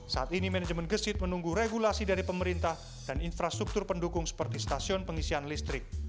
saat ini manajemen gesit menunggu regulasi dari pemerintah dan infrastruktur pendukung seperti stasiun pengisian listrik